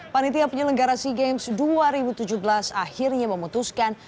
panitia penyelenggara seagames dua ribu tujuh belas akhirnya memutuskan